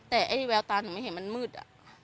แต่ไอ้แววตาถึงไม่เห็นมันมืด